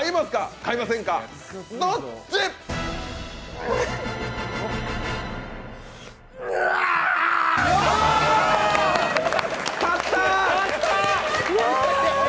買った！